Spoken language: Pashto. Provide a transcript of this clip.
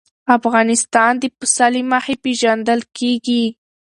افغانستان د پسه له مخې پېژندل کېږي.